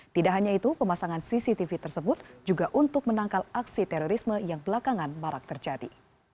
tidak hanya itu pemasangan cctv tersebut juga untuk menangkal aksi terorisme yang belakangan marak terjadi